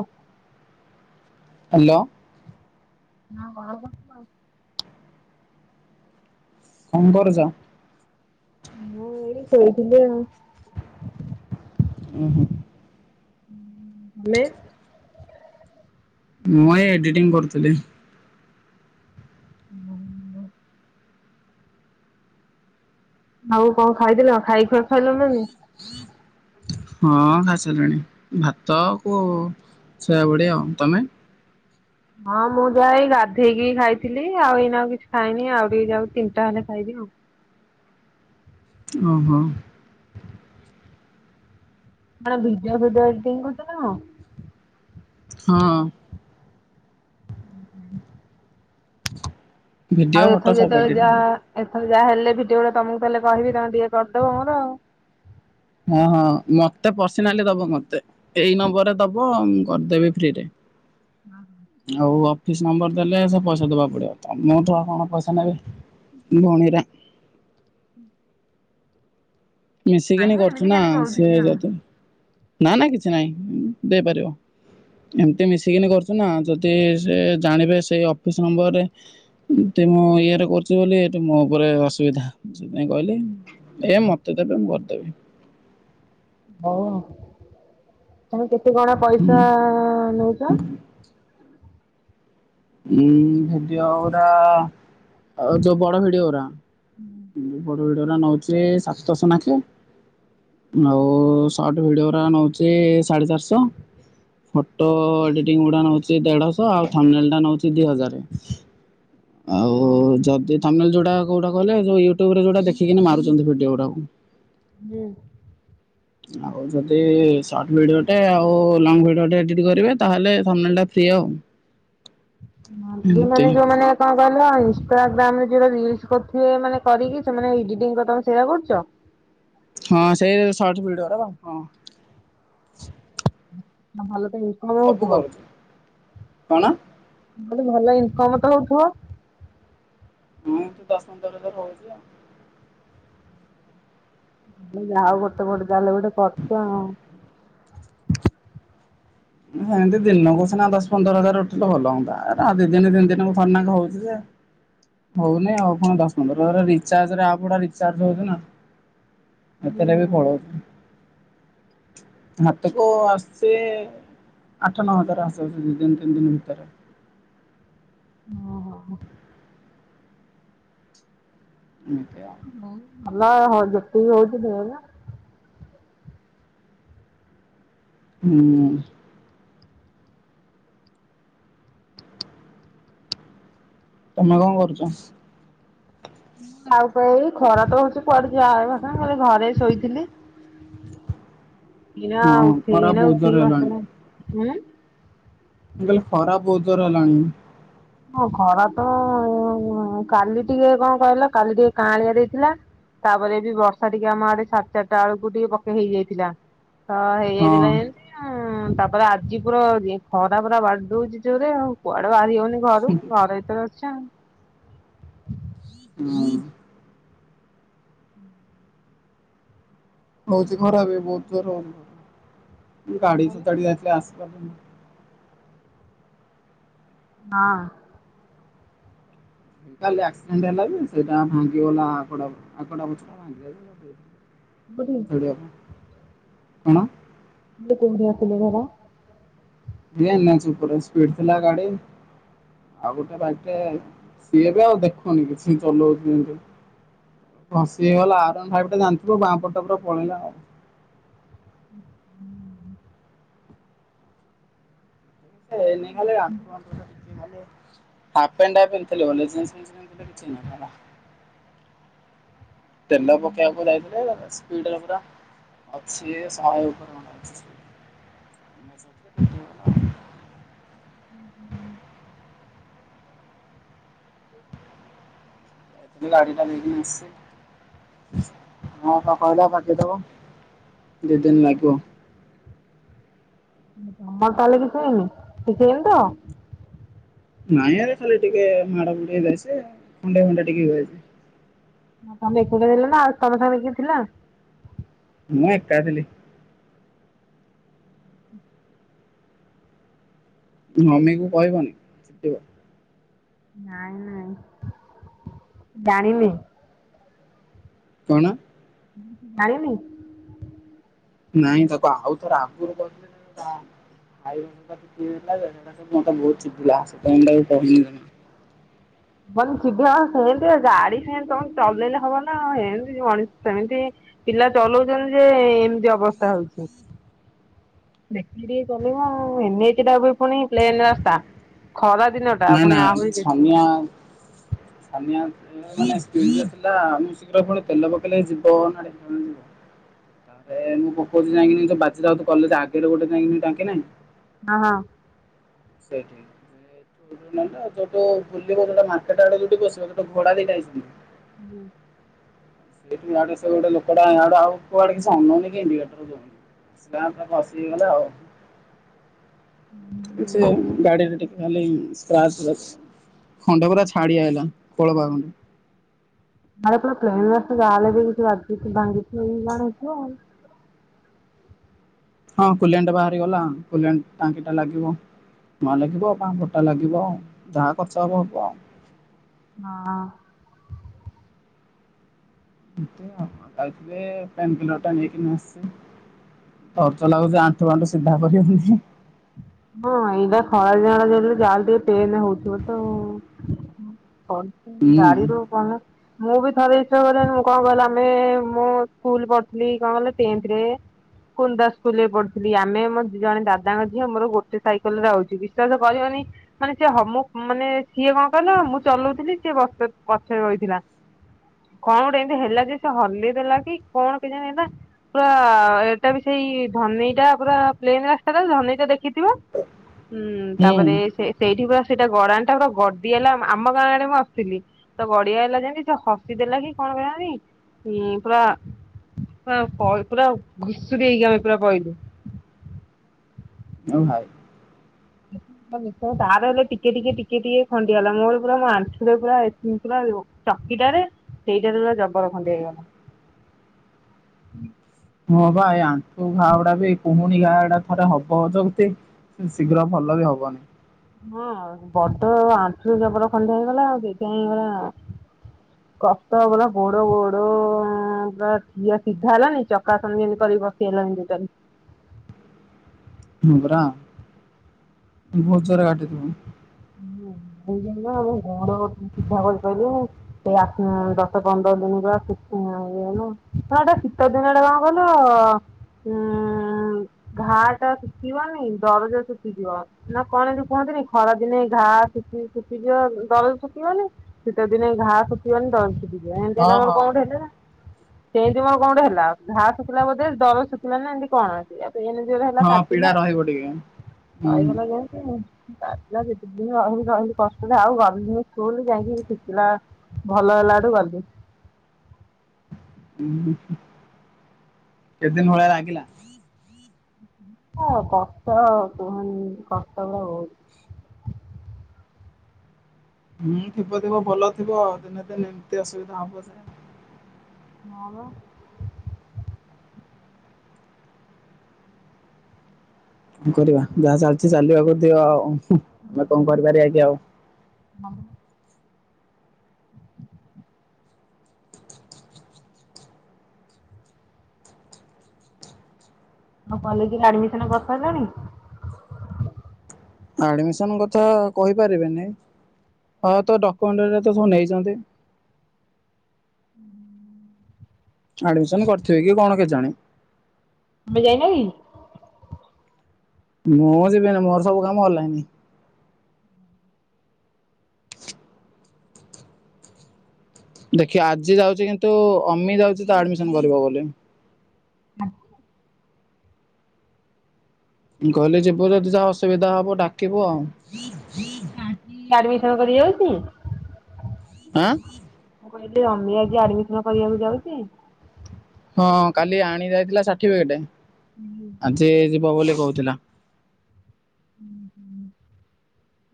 ଓ। Hello. ନା ବଡ। [unintelligible] କଣ କରୁଛ? ମୁଁ ଏଇଠି ଶୋଇଥିଲି ଆଉ। ଉଁ ହୁଁ। ମେ। ମୁଁଇ ଏଡିଟିଂ କରୁଥିଲି। ହୁଁ। ଆଉ କଣ ଖାଇଥିଲ? ଖାଇ ଖୁଆ ସାରିଲଣି ନା ନାହିଁ। ହଁ ଖାଇସାରିଲିଣି। ଭାତ କୁ ଶୋୟା ବଡି ଆଉ ତମେ? ହଁ ମୁଁ ଯାଇ ଗାଧେଇକି ଖାଇଥିଲି ଆଉ ଏଇନା ଆଉ କିଛି ଖାଇନି ଆଉ ଟିକେ ଯାଉ ତିନଟା ହେଲେ ଖାଇବି। ଇଆଓ। ଓ ହୋ। [unintelligible] ଭିଡିଓ ଫିଡ଼ିଓ ଏଡିଟିଙ୍ଗ କରୁଛ ନାଁ ହଁ। ଭିଡିଓ ଆଉ ଫଟୋ ଏଥର ସବୁ ଯେତବେଳେ ଏଡିଟିଂ ଯା କରୁ ଏ ଏଥର ଯାହା ହେଲେ ଭିଡିଓ ଗୁଡା ତମକୁ ତାହେଲେ କହିବି ତମେ ଟିକଏ କରିଦବ ମୋର ଆଉ। ହଁ ହଁ ମତେ ପର୍ସନାଲି ଦବ ମତେ ଏଇ ନମ୍ବରରେ ଦବ ମୁଁ କରିଦେବି ଫ୍ରିରେ। ହଁ ହ। ଅଫିସ୍ ନମ୍ବର ଦେଲେ ସେ ପଇସା ଦେବା ପଡ଼ିବ ତମଠୁ ଆ କଣ ପଇସା ନେବି? ମଣୀରା। ମିଶିକିନି କରୁଛୁ ନା ସେ ଯଦି ନା ନା କିଛି ନାଇଁ ଦେଇପାରିବ। ଏମତି ମିଶିକିନି କରୁଛୁ ନା ଯଦି ସେ ଜାଣିବେ ସେଇ ଅଫିସ ନମ୍ବରରେ ଉମ ସେ ମୋ ଇଏ ରେ କରୁଛି ବୋଲି ଏଇଠୁ ମୋ ଉପରେ ଅସୁବିଧା ସେଥିପାଇଁ କହିଲି ଏ ମତେ ତେ ଦେବେ ମୁଁ କରିଦେବି। ହଉ ହଁ ତମେ କେତେ କଣ ପଇସା ନଉଛ? ହଁ ଜଉ ଭିଡିଓ ଗୋରା ବଡ଼ ଭିଡିଓ ଗୋରା। ମୁଁ ବଡ଼ ଭିଡିଓରା ନଉଛି ସାତଶହ ନା କଣ। ଆଉ ସଟ୍ ଭିଡିଓଟା ନଉଛି ସାଢ଼େ ଚାରିଶହ। ଫଟୋ ଏଡିଟିଂ ଗୁଡା ନଉଛି ଦେଢଶହ ଆଉ ଥମ୍ୱନେଲ ଟା ନଉଛି ଦି ହଜାର। [inaudible] ଆଉ ଯଦି ତମେ ଯୋଉଟା କୋଉଟା କହିଲ। ଇୟୁଟ୍ୟୁବ ରେ ଯଉଟା ଦେଖିକି ମାରୁଛନ୍ତି ଭିଡିଓ ଗୁଡାକୁ। ହୁଁ। ଆଉ ଯଦି ସର୍ଟ ଭିଡିଓଟେ ଆଉ ଲଙ୍ଗ ଭିଡିଓଟେ ଏଡିଟ କରିବେ ତାହେଲେ- ଫ୍ରୀ ଆଉ। [inaudible] ହ ଏମତି ମାନେ ଯୋଉମାନୋ କଣ କହିଲ। ଇନ୍ସଟାଗ୍ରାମରେ ଯୋଉଟା ରିଲସ କରୁଥିବେ ମାନେ କରିକି ସେଟା ଏଡିଙ୍ଗ କରୁଥୀଵେ ତମେ ସେଇଟା କରୁଛ। ହଁ ସେଇ ସର୍ଟ ଭିଡିଓ ଗୁଡାକ ହଁ। ଆ ଭଲ ତ ଇନ୍ କମ ସବୁ ହଉଥିବ? କରୁଛି କଣ? ମୁଁ କହିଲି ଭଲ ଇନକମ ତ ହଉଥିବ? ହୁଁ ଦଶ ପନ୍ଦର ହଜାର ହଉଚି ଆଉ। ମୁଁ କହିଲି ଯାହଉ ଗୋଟେ ଗୋଟେ ଯାହେଲ ଗୋଟେ କରୁଚ ଆଉ। ସେମିତି ଦିନକୁ ସିନା ଦଶ ପନ୍ଦର ହଜାର ଉଠିଲେ ଭଲ ହୁଅନ୍ତା ଏରା ଦି ଦିନ ତିନି ଦିନକୁ ଥରେ ନାଖା ହଉଚି ଯେ ହଉନି ଆଉ କଣ ଦଶ ପନ୍ଦର ରିଚାର୍ଜରେ ଆଉ ଆପ୍ ଗୁଡା ରିଚାର୍ଜ ହଉଚି ନା। ହୁଁ ସେତେରେ ହୁଁ। ବି ପଳୋଉଚି। ହାତକୁ ଆସୁଚି ଆଠ ନ ହଜାର ଆସେ ଦିଦିନି ତି ଦିନ ଭିତରେ ଓହୋ ଏମିତି ଆଉ। ଭଲ ଆଉ ଯେତିକି ହୋଉଚି ଢ଼େରେ। ହୁଁ। ତମେ କଣ କରୁଚ? ଆଉ କଣ ଏ ଖରା ତ ହଉଚି କୁଆଡେ ଯଏନି ଖାଲି ଘରେ ଶୋଇଥିଲି। ଏଇନା ହଁ ଉଠି ଖରା ଏଇନା ବହୁତ ଉଠିି ଜୋର ହେଲାଣି ବାସଣ ହୁଁ? ମୁଁ କହିଲି ଖରା ବହୁତ ଜୋରେ ହେଲାଣି। ହଁ ଖରା ତ କାଲି ଟିକେ କଣ କହିଲ କାଲି ଟିକେ କାଁଳିଆ ଦେଇଥିଲା। ତାପରେ ବି ବର୍ଷା ଟିକେ ଆମ ଆଡେ ସାଢେ଼ ଚାରିଟା ବେଳକୁ ଟିକେ ପକେଇ ହେଇଯାଇଥିଲା। ହଁ ହେଇଯାଇଥିଲା [unintelligible] ହୁଁ ତାପରେ ଆଜି ପୁରା ଖରା ପୁରା ବାଡଉଛି ଯୋରେ ଆଉ କୁଆଡେ ବାହାରି ହଉନି ଘ [unintelligible] ଘର ଭିତରେ ଅଛି ଆଉ। ହୁଁ। ହଉଛି ଖରା ଏବେ ବହୁତ ଯୋର ହଉଛି ଗାଡ଼ି ହଁ ଫାଡ଼ି ଏତେ ଆସିନି। ଆସିନି। ହଁ। କାଲି ଆକ୍ସିଡେଣ୍ଟ ହେଲା ଯେ ସେଇଟା ଭାଙ୍ଗିଗଲା କଟା ପଛ [unintelligible] କୋଉଠି? କଣ? କୋଉଠି ଆକ୍ସିଡେଣ୍ଟ ହେଲା। ଏ ଏନ୍ ଏଚ ଉପର ସ୍ପିଡ ଥିଲା ଗାଡି। ଆଉ ଗୋଟେ ବାଇକ ଟେ ସିଏ ବି ଆଉ ଦେଖୁନି କିଛି ଚଲଉଛି ଯେମିତି ଭସି ହେଇଗଲା ଆର ସାଇଟ୍ ଟା ଜାଣିଥିବ ବାଁ ପଟ ଟା ପୁରା ପଳେଇଲା ଆଉ। ହୁଁ, ହୁଁ। [inaudible] ହାପ୍ ପେଣ୍ଟ ପିନ୍ଧିଥିଲି ବୋଲି [inaudible] ତେଲ ପକେଇବାକୁ ଯାଇଥିଲୁ, ସ୍ପିଡରେ ପୁରା ଅଛି ଏ [inaudible] [inaudible] ଯାଇଥିଲି ଗାଡିଟା ନେଇକି, ସେ ହଁ ତ କହିଲା ବାକିଦେବ। ଦି ଦିନ ଲାଗିବ। ତମର ତାହେଲେ କିଛି ହେଇନି, କିଛି ହେଇନି ତ? ନାଇଁ ଆରେ ଖାଲି ଟିକେ ମାଡମୁଡି ହେଇଯାଇଛି, ଖଣ୍ଡିଆଫଣ୍ଡିଆ ଟିକେ ହେଇଯାଇଛି। ମା ତମେ ଏକୁଟିଆ ଥିଲ ନା ଆଉ ତମ ସାଙ୍ଗରେ କିଏ ଥିଲା? ମୁଁ ଏକା ଥିଲି। ମମିକୁ କହିବନି ପିଟିବ। ନାଇଁ ନାଇଁ ଜାଣିନି। କଣ? ଜାଣିନି? ନାଇଁ ତାକୁ ଆଉ ଥରେ ଆଗରୁ କହିଥିଲି ଜା [unintelligible] ବହୁତ ଚିଡିଲା ସେଥିପାଇଁ ତାକୁ କହିଲିନି। ବନ୍ ସିଧା ସେମତି ଗାଡି ସେମତି ତମେ ଚଲେଇଲେ ହବ ନା ଏମତି ମଣିଷ ସେମିତି ପିଲା ଚଲଉଛନ୍ତି ଯେ ଏମିତି ଅବସ୍ଥା ହଉଛି। ଦେଖିକି ଟିକେ ଚଲେଇବ ଆଉ ଏନଏଚ୍ ଟା ବି ପୁଣି ପ୍ଲେନ ରାସ୍ତା। ଖରା ଦିନଟା ନା ନା ପୁଣି ଆହୁରି ବେଶୀ। ଛାନୀଆ ନାଇଁ ନାଇଁ ସ୍ପିଡରେ ଥିଲା ମୁଁ ଶୀଘ୍ର ପୁଣି ତେଲ ପକେଇଲେ ଯିବ ନା [unintelligible] ଥିବା। ତାପରେ ମୁଁ ପକଉଛି ଯାଇକିନି ଯୋଉ ବାଜିରାଉତ କଲେଜ ଆଗରେ ଗୋଟେ ଯାଇଙ୍କିନି ଟାଙ୍କି ନାହିଁ। ହଁ, ହଁ। ସେଇଠି ଯେ ସେଠୁ ଯୋଉ ନାହିଁତ ଛୋଟ ବୁଲିବ ଯୋଉଟା ମାର୍କେଟ ଆଡ଼ୁ ଯୋଉଠୁ ପସିବ ସେଇଠୁ ଘୋଡା ଦିଟା ହେଇଛନ୍ତି। ବୋ ସେଇଠୁ ଇଆଡୁ ଆସିବାକୁ ଗୋଟେ ଲୋକଟା ହେଠୁ ଆଉ କୁଆଡେ କିଛି ଅନାଉନି କି ଇଣ୍ଡିକେଟର ଦେଉନି। ସ୍ଲାପରେ ଘଷିହେଇଗଲା ଆଉ। [inaudible] ସେ ଗାଡିରେ ଟିକ ଖାଲି ସ୍କ୍ରାଚ ଅଛି ଖଣ୍ଡେପୁରା ଛାଡିଆଇଲା ଖୋଳପା ଖଣ୍ଡେ। ଆରେ ପୁରା ପ୍ଲେନ ରାସ୍ତା ଯାହାହେଲେ ବି କିଛି ଭାଙ୍ଗି ଭାଙ୍ଗିଥିବ କି କଣ ହେଇଥିବ। ହଁ, କୁଲ୍ୟାଣ୍ଟା ବାହାରିଗଲା, କୁଲ୍ୟାଣ୍ଟ ଟାଙ୍କିଟା ଲାଗିବ। ନୂଆ ଲାଗିବ ବା ନୋଟା ଲାଗିବ ଯାହା ଖର୍ଚ୍ଚ ହେବ ହେବ ଆଉ। ହଁ। କେତେ ଆପ୍ ଏବେ ପ୍ଲେନକ୍ଲିୟରଟା ନେଇକିନା ଆସେ। ଦରଜ ଲାଗୁଛି, ଆଣ୍ଠୁଫାଣ୍ଠୁ ସିଧା କରିହଉନି। ହଁ, ଏଇଟା ଖରା ଦିନଟା ଯେମିତି ଯାହା ହେଲେ ଟିକେ ପେନ୍ ହେଉଥିବ ତଉ। କଣ ତ ଗାଡିରୁୁ କଣ ମୁଁ ବି ଥରେ ଦିଥର ଗଲାବେଳକୁ କଣ କହିଲ ଆମେ ମୁଁ ସ୍କୁଲ ପଢୁଥିଲି କଣ କହିଲ ଟେନ୍ଥରେ। କୁନ୍ଦା ସ୍କୁଲରେ ପଢୁଥିଲି ଆମେ ଆମ ଜଣେ ଦାଦାଙ୍କ ଝିଅ ମୋର ଗୋ ସେ ସାଇକେଲରେ ଆଉଛି, ବିଶ୍ଵାସ କରିବନି ମାନେ ସେ ହମୁକ ମାନେ ସିଏ କଣ କହିଲ ମୁଁ ଚଲଉଥିଲି ସିଏ ସେ ବସତେତ୍ ପଛରେ ବଇଥିଲା। କଣ ଗୋଟେ ଏମତି ହେଲା ଯେ ସେ ହଲେଇ ଦେଲା କି କଣ କେଜାଣି ହେଲା ପୁରା ଏଇଟା ବି ସେଇ ଇ ଧନେଇଟା ପୁରା ପ୍ଲେନରାସ୍ତା ଟା ଧନେଇ ତ ଦେଖିଥିବ। ହୁଁ ହୁଁ ତାପରେ ସେ ସେଇଠି ପୁରା ସେଇଟା ଗଡାଣିଟା ପୁରା ଗଡିଆଇଲା ଆମ ଗାଁ ଆଡେ ମୁଁ ଆସୁଥିଲି, ତ ଗଡିଆ ଆଇଲା ଯେମିତି ସେ ହସି ଦେଲା କି କ ତ କେଜାଣି ହୁଁ ପୁରା ହଁ [unintelligible] ପୁରା ଘୁଷୁରି ହେଇକି ଆମେ ପୁରା ପଇଲୁ। ଓ ଭାଇ ହ [inaudible] ମମି ତ ତାର ହେଲେ ଟିକେ ଟିକେ ଟିକେ ଟିକେ ଖଣ୍ଡିଆ ହେଲା ମୋର ପୁରା ମୋ ଆଣ୍ଠୁଟା ପୁରା ଏ ପୁରା ଚା ସେଇଟାରେ ସେଇଟାରେ ପା ଜବର ଖଣ୍ଡିଆ ହେଇଗଲା। ହଁ ବା ଏଇ ଆଣ୍ଠୁ ଘାଉଡ଼ା ବି କହୁ ପୁଣି ଘା ଆଡ଼ା ଥରେ ହବ ଯାଉତି ଶୀଘ୍ର ଭଲ ବି ହବନି। ହଁ ବଡ ଆଣ୍ଠୁ ଜବର ଖଣ୍ଡିଆ ହେଇଗଲା ଆଉ ସେଇଥିପାଇଁ [unintelligible] କଟକ ଗଲା ଗୋଡ ଗୋଡ ପୁରା ଠିଆ ସିଧା ହେଲାନି ଚକାଆସନଏମିତି କରି ଏଇ ବସିହେଲାନି ଟୋଟାଲେ। ହୁଁ ପରା [unintelligible] [unintelligible] [unintelligible] ଗୋଡ଼ ସିଧା କରିପାଇଲିନି ସେଇ ଆ ଦଶ ପନ୍ଦର ଦିନ ର [unintelligible] [unintelligible] ହଁ ଏଟା ଶୀତ ଦିନଟା କଣ କଇଲ ଉଁ-ଉଁ- ଉଁ ଘାଆଟା ଶୁଖିବାନି ଦରଜା ଶୁଖିଯିବ ନା କଣ ଏମିତି କୁହ ନ୍ତି ଖରା ଦିନେ ଘା ସୁକି ସୁକି ଶୁକିଯିବ ଦରଜ ଶୁକିବନି ଶୀତ ଦିନେ ଘା ଶୁକିବନି ଦରଜ ସୁକି ଏମିତି ହଁ ହେଲା ମୋର କଁ ହଁ। ଗୋଟେ ହେଲା। ସେଇମିତି ମୋର କଣ ଗୋଟେ ହେଲା ଘା ଶୁକିଲା ବୋଧେ ଦରଜ ଶୁକିଲାନି ଏମିତି କଣ [unintelligible] ନିଜର ହେଲା ହଁ ପୀଡା କାଟିଲା ରହିବ ଟିକେ ହୁଁ [unintelligible] କିଛି ଦିନ ରହିଲି ରହିଲି କଷ୍ଟ ରେ ଆଉ ଗଲିନି ସ୍କୁଲ ଯାଇକି ଶୁକିଲା। ଭଲ ହେଲାଠୁ ଗଲି। ଉଁ ହୁଁ କେତେ ଦିନ ଭଳିଆ ଲାଗିଲା? ହ କଷ୍ଟ କୁହନି କଷ୍ଟ ଲୋ। ହୁଁ ଥିବ ଥିବ ଭଲ ଥିବ ଦିନେ ଦିନେ ଏମିତି ଅସୁବିଧା ହବ ଯେ ହଁ ପା। କଣ କରିବା ଯାହା ଚାଲିଚି ଚାଲିବାକୁ ଦିଅ ଆଉ ଆମେ କଣ କରିପାରିବା କି ଆଉ। ମମି। ଆଉ କଲେଜରେ ଆଡିମିସନ କରିସାରିଲଣି? ଆଡମିସନ କଥା କହିପାରିବିନି। ହଁ ତ ଡକୁମେଣ୍ଟ ରା ତ ସବୁ ନେଇଚନ୍ତି। ହୁଁ। ଆଡିମିସନ କରିଥିବେ କି କଣ କେଜାଣି? ତମେ ଯାଇନ କି? ମୁଁ ଯିବିନି ମୋର ସବୁ କାମ ଅନଲାଇନ୍। ଦେଖିଆ ଆଜି ଯାଉଚି କିନ୍ତୁ ଅମି ଯାଉଚି ତ ଆଡମିସନ କରିବ ବୋଲି। ହଁ। ଗଲେ ଯିବୁ ଯଦି ଯାହା ଅସୁବିଧା ହବ ଡାକିବୁ ଆଉ। [unintelligible] ଆଡମିସନ କରି ଯାଉଚି? ଆଁ। କହିଲି ଅମି ଆଜି ଆଡମିସନ କରିବାକୁ ଯାଉଚି? ହଁ କାଲି ଆଣି ଯାଇଥିଲା ସାଠିଫିକେଟ ଆଜି ଯିବ ବୋଲି କହୁଥିଲା। ହୁଁ ହୁଁ।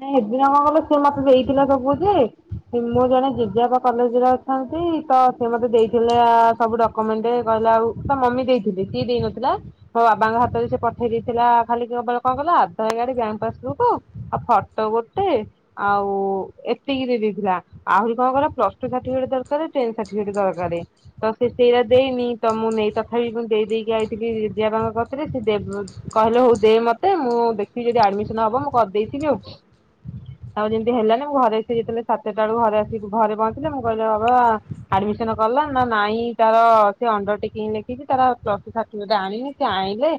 ନାଇ ସେଦିନ କଣ କଲେ ସେ ମତେ ଦେଇଥିଲା ସବୁ ଯେ ମୋର ଜଣେ ଜେଜେ ବାପା କଲେଜରେ ଅଛ ନ୍ତି ତ ସେ ମତେ ଦେଇଥିଲେ ଆ ସବୁ ଡକୁମେଣ୍ଟ କହିଲା ଆଉ ତା ମମି ଦେଇଥିଲେ ସିଏ ଦେଇ ନଥିଲା। ମୋ ବାବାଙ୍କ ହାତରେ ସିଏ ପଠେଇ ଦେଇଥିଲା ଖାଲିକେବଳ କଣ କଇଲ ଆ ଧାରକାର୍ଡ ବ୍ୟାଙ୍କ ପାସବୁକ୍ ଆଉ ଫଟୋ ଗୋଟେ ଆଉ ଏତିକି ଦେଇ ଦେଇଥିଲା। ଆହୁରି କଣ କଇଲ ପ୍ଲସ ଟୁ ସାର୍ଟିଫିକେଟ ଦରକାର ଟେନ୍ ସାର୍ଟିଫିକେଟ ଦରକାର ତ ସେଇରା ଦେଇନି ତ ମୁଁ ନେଇ ତଥାପି ମୁଁ ଦେଇ ଦେଇକି ଆଇଥିଲି ଦିଦିବାପାଙ୍କ କତିରେ ସିଏ ଦେ କହିଲେ ହଉ ଦେ ମତେ ମୁଁ ଦେଖେ ସିଏ ଯଦି ଆଡମିସନ ହବ ମୁଁ କରିଦେଇଥିବି ଆଉ। ଆଉ ଯେମିତି ହେଲାନି ମୁଁ ଘରେ ଆସି ଯେତେବେଳେ ସାତଟା ବେଳକୁ ଘରେ ଆସିକି ଘରେ ପହଞ୍ଚିଲି ମୁଁ କହିଲି ବାବା ଆଡ ମିଶନ ଆଡ଼ମିଶନ କଲ ନା ନାଇଁ ତାର ସେ ଅଣ୍ଡର ଟେକିଂ ଲେଖିକି ତାର ପ୍ଲସ ଟୁ ସାର୍ଟିଫିକେଟ ଆଣିନି ସେ ଆଣିଲେ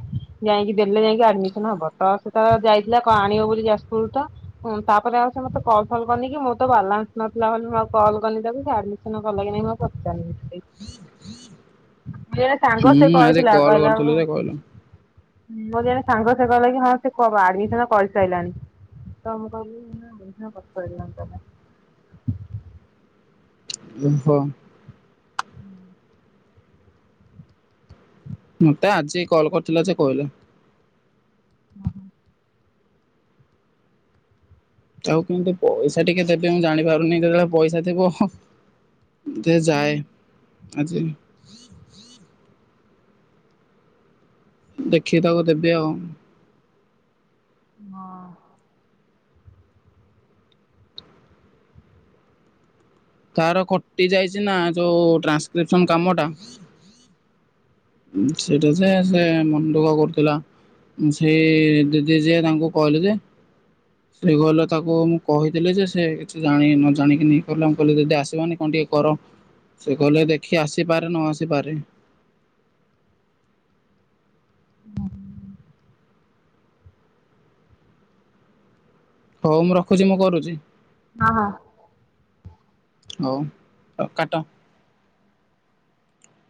ଯାଇକି ଦେଲେ ଯାଇକି ଆଡମିସନ ହବ ତ ତାର ଯାଇଥିଲା କଣ ଆଣିବ ବୋଲି ଯାଜପୁର ତ ତାପରେ ଆଉ ମତେ କଲ ଫଲ୍ କରିନିକି ମୁଁ ତ ବାଲାନ୍ସ ନ ନଥି ବୋଲି ମୁ ଆଉ କଲ କଲିନି ତାକୁ ଆଡମିସନ କଲା କି ନାଇଁ ମୁଁ ପଚାରିନି ତା ହେ ସାଙ୍ଗ ହୁଁ ସେ ଆଜି କହିଥିଲା କଲ୍ କହିଲା କରିଥିଲୁ ମୁଁ ଯେ କହିଲା ମୋରି ଜଣେ ସାଙ୍ଗ ସେବା ଲାଗି ହଁ। ସେ କରୁ ଆଡମିନ କରିସାରିଲାଣି ତ ମୁଁ କହିଲି [unintelligible] [unintelligible] ଡିମ୍ଫ ମତେ ଆଜି କଲ କରିଥିଲା ଯେ କହିଲା। ଓ ହୋ। ଆଉ କିନ୍ତୁ ପଇସା ଟିକେ ଦେବେ ମୁଁ ଜାଣି ପାରୁନି ଯେତେବେଳେ ପଇସା ଥିବ ହଁ। ଯେ ଯାଏ ଆଜି। ଦେଖି ତାକୁ ଦେବି ଆଉ। ହଁ। ତାର କଟି ଯାଇଛି ନା ଯୋଉ ଟ୍ରାନ୍ସକ୍ରିପସନ କାମ ଟା। ସେଇଟା ସେ ସେ ମନ ଦୁଃଖ କରୁଥିଲା। ସେ ଦିଦି ଯିଏ ତାଙ୍କୁ କହିଲେ ଯେ ସେ କହିକ ତାକୁ ମୁଁ କହିଥିଲି ଯେ ସେ କିଛି ଜାଣି ନ ଜାଣିକି କହିଲା ମ କହିଲି ଦିଦି ଆସିବନି ଟିକେ କର ସେ କହଲେ ଦେଖି ଆସିପାରେ ନ ଆସିପାରେ। ହଁ। ହଉ ମୁଁ ରଖୁଛି ମୁଁ କରୁଛି। ହଁ ହଁ। ହଉ କାଟ